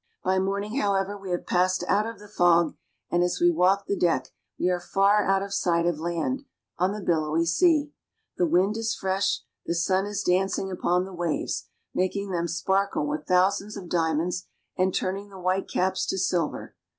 By morning, however, we have passed out of the fog, and as we walk the deck, we are far out of sight of land, on the billowy sea. The wind is fresh, the sun is dancing upon the waves, making them sparkle with thousands of diamonds, and turning the whitecaps to silver.